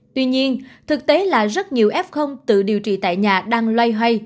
tuy nhiên thực tế là rất nhiều f tự điều trị tại nhà đang loay hoay